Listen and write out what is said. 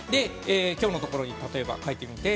きょうのところに例えば、書いてみて。